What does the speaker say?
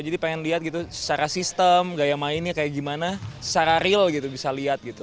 jadi pengen lihat gitu secara sistem gaya mainnya kayak gimana secara real gitu bisa lihat gitu